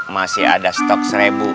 masih ada stok serebu